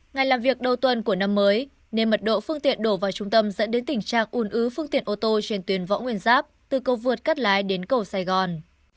ngày làm việc đầu tuần của năm mới nên mật độ phương tiện đổ vào trung tâm dẫn đến tình trạng ủn ứ phương tiện ô tô trên tuyến võ nguyên giáp từ cầu vượt cắt lái đến cầu sài gòn